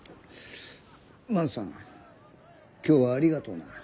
万さん今日はありがとうな。